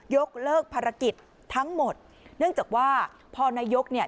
ยกเลิกภารกิจทั้งหมดเนื่องจากว่าพอนายกเนี่ย